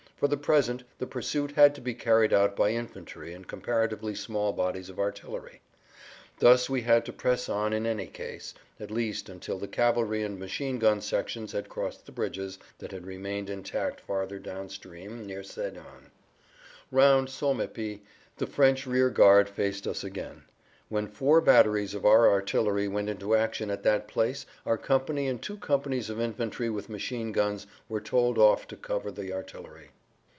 For the present the pursuit had to be carried out by infantry and comparatively small bodies of artillery. Thus we had to press on in any case, at least until the cavalry and machine gun sections had crossed the bridges that had remained intact farther down stream near Sédan. Round Sommepy the French rear guard faced us again. When four batteries of our artillery went into action at that place our company and two companies of infantry with machine guns were told off to cover the artillery.